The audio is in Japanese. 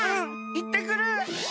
いってくる！